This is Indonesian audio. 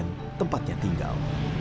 dan kebumen tempatnya tinggal